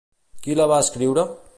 Qui la va escriure?